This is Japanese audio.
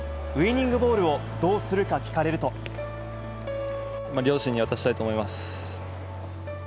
ウイニングボールをどうするか聞両親に渡したいと思います。